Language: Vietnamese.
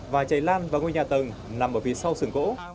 và cháy lan vào ngôi nhà tầng nằm ở phía sau sườn gỗ